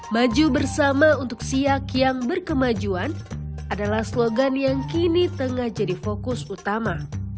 maju bersama untuk siak yang berkemajuan adalah slogan yang kini tengah jadi fokus utama